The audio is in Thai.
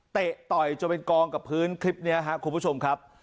ต่อยจนไปกองกับพื้นคลิปนี้ครับคุณผู้ชมครับ